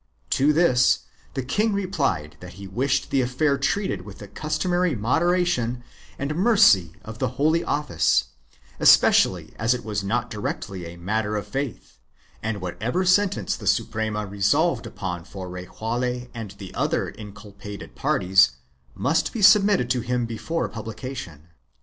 To this the king replied that he wished the affair treated with the customary moderation and mercy of the Holy Office, especially as it was not directly a matter of faith, and whatever sentence the Suprema resolved upon for Rejaule and the other inculpated parties must be submitted to him before publication.